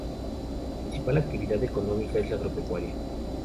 La principal actividad económica es la agropecuaria.